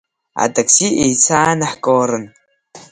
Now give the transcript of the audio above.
Атакси еицаанаҳкыларын?!